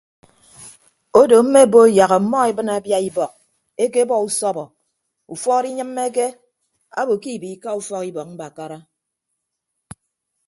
Odo mme bo yak ọmmọ ebịne abia ibọk ekebọ usọbọ ufuọd inyịmmeke abo ke ibiika ufọk ibọk mbakara.